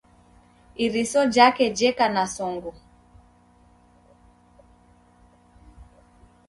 Iriso jake jeka na songo